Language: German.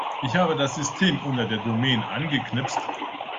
Ich habe das System unter der Domain angeknipst.